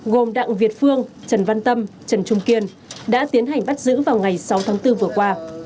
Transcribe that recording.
gồm đặng việt phương trần văn tâm trần trung kiên đã tiến hành bắt giữ vào ngày sáu tháng bốn vừa qua